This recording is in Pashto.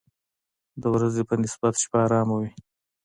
د ورځې په نسبت شپه آرامه وي.